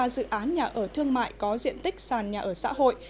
ba dự án nhà ở thương mại có diện tích sàn nhà ở xã hội